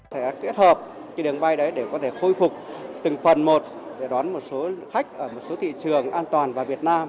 sẽ kết hợp đường bay để có thể khôi phục từng phần một để đón một số khách ở một số thị trường an toàn và việt nam